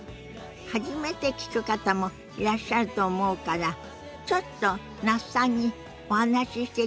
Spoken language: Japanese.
初めて聞く方もいらっしゃると思うからちょっと那須さんにお話ししていただきましょ。